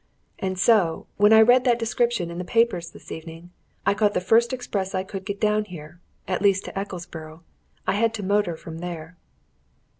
And so, when I read that description in the papers this evening, I caught the first express I could get down here at least to Ecclesborough I had to motor from there."